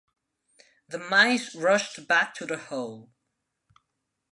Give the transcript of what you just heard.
The mice rushed back to their hole.